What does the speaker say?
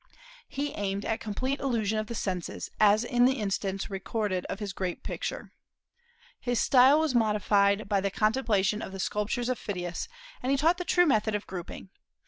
He aimed at complete illusion of the senses, as in the instance recorded of his grape picture. His style was modified by the contemplation of the sculptures of Phidias, and he taught the true method of grouping.